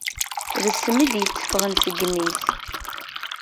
D ssem id-yetteffaɣen seg yimi-s.